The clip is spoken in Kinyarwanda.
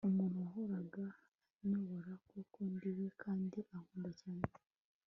umuntu wahoraga anyobora, kubo ndiwe kandi ankunda cyane